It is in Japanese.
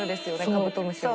カブトムシは。